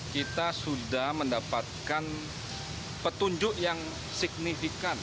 kita sudah mendapatkan petunjuk yang signifikan